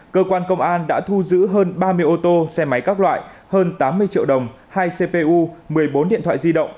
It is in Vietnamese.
cơ quan công an đã thu giữ hơn ba mươi ô tô xe máy các loại hơn tám mươi triệu đồng hai cpu một mươi bốn điện thoại di động